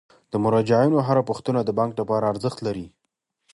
د مراجعینو هره پوښتنه د بانک لپاره ارزښت لري.